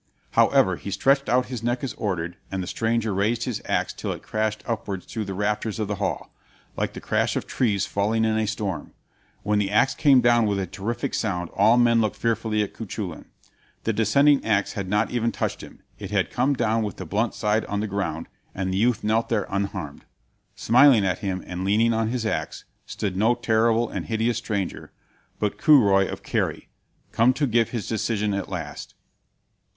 However, he stretched out his neck as ordered, and the stranger raised his axe till it crashed upwards through the rafters of the hall, like the crash of trees falling in a storm. When the axe came down with a terrific sound all men looked fearfully at Cuchulain. The descending axe had not even touched him; it had come down with the blunt side on the ground, and the youth knelt there unharmed. Smiling at him, and leaning on his axe, stood no terrible and hideous stranger, but Curoi of Kerry, come to give his decision at last.